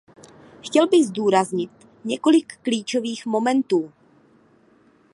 Chtěl bych zdůraznit několik klíčových momentů.